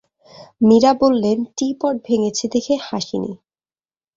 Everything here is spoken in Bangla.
মীরা বললেন, টী-পট ভেঙেছে দেখে হাসি নি।